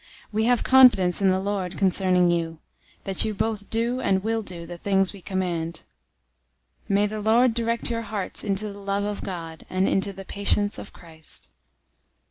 003:004 We have confidence in the Lord concerning you, that you both do and will do the things we command. 003:005 May the Lord direct your hearts into the love of God, and into the patience of Christ.